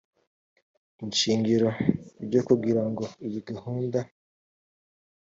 shingiro ryo kugira ngo iyi gahunda